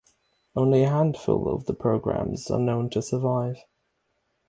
Only a handful of the programmes are known to survive.